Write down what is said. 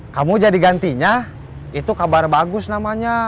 kamu jadi gantinya itu kabar bagus namanya